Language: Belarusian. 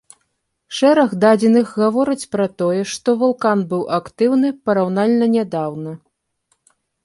Шэраг дадзеных гавораць пра тое, што вулкан быў актыўны параўнальна нядаўна.